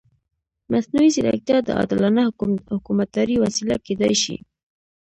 مصنوعي ځیرکتیا د عادلانه حکومتدارۍ وسیله کېدای شي.